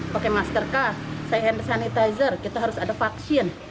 pakai masker hand sanitizer kita harus ada vaksin